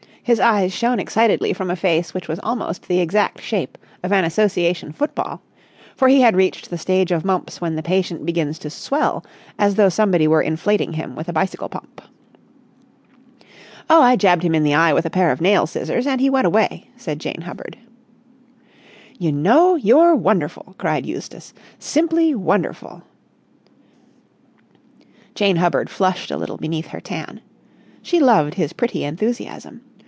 His eyes shone excitedly from a face which was almost the exact shape of an Association football; for he had reached the stage of mumps when the patient begins to swell as though somebody were inflating him with a bicycle pump. "Oh, I jabbed him in the eye with a pair of nail scissors, and he went away!" said Jane Hubbard. "You know, you're wonderful!" cried Eustace. "Simply wonderful!" Jane Hubbard flushed a little beneath her tan. She loved his pretty enthusiasm.